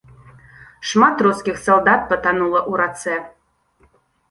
Шмат рускіх салдат патанула ў рацэ.